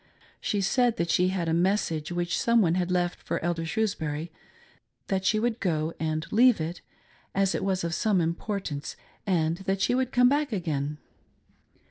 She said that she had a message which some one had left for Elder Shrewsbury ; that she would go and leave it, as it was of some importance, and that she would come back again.